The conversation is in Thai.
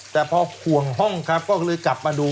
แต่พอห่วงห้องครับก็เลยกลับมาดู